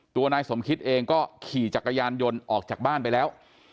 นายสมคิตเองก็ขี่จักรยานยนต์ออกจากบ้านไปแล้ว